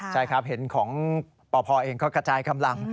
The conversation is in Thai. ใช่ครับเห็นของปพเองก็กระจายกำลัง